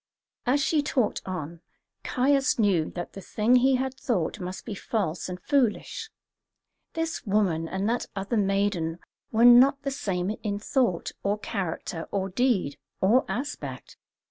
As she talked on, Caius knew that the thing he had thought must be false and foolish. This woman and that other maiden were not the same in thought, or character, or deed, or aspect.